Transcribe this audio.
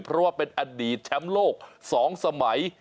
เพราะว่าเป็นอดีตแชมป์โลก๒สมัย